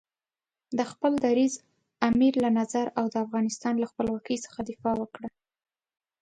د خپل دریځ، امیر له نظر او د افغانستان له خپلواکۍ څخه دفاع وکړه.